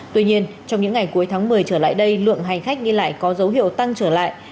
tuy nhiên trong những ngày cuối tháng một mươi trở lại đây lượng hành khách đi lại có dấu hiệu tăng trở lại